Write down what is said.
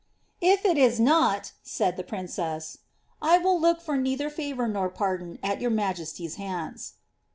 ^ If it is not," said the princess, ^ 1 will look for neither favour nor pardon at your majesty ^s hands."